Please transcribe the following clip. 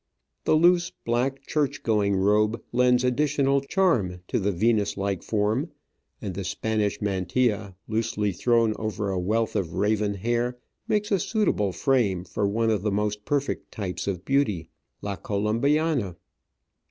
The loose, black, church going robe lends additional charm to the Venus like form, and the Spanish mantilla, loosely thrown over a wealth of raven hair, makes a suitable frame for one of the most perfect types of beauty — La Colombi ana.